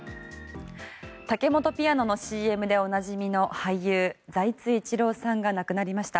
タケモトピアノのＣＭでおなじみの俳優・財津一郎さんが亡くなりました。